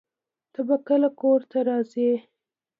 ته به کله کور ته راځې؟